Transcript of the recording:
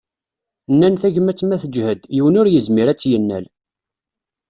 Nnan tagmat ma teǧhed, yiwen ur yezmir ad tt-yennal.